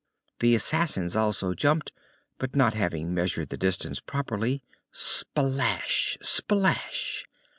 The assassins also jumped, but not having measured the distance properly splash! splash!